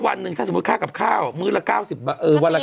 ก็วันหนึ่งถ้าสมมุติเขากับข้าวมื้อละ๙๐บาทเออวันละ๙๐บาท